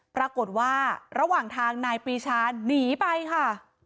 ปรากฏว่าระหว่างทางนายปีชาหนีไปค่ะ